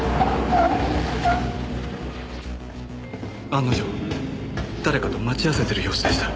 案の定誰かと待ち合わせてる様子でした。